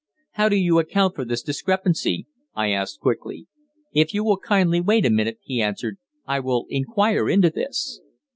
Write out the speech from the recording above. "How do you account for this discrepancy?" I asked quickly. "If you will kindly wait a moment," he answered, "I will inquire into this."